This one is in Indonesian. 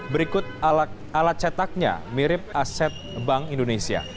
berikut alat cetaknya mirip aset bank indonesia